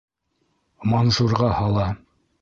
Манжурға һала.